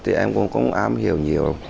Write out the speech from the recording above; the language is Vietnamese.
thì em cũng không am hiểu nhiều